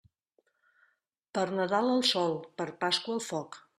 Per Nadal al sol, per Pasqua al foc.